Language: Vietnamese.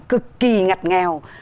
cực kỳ ngặt nghèo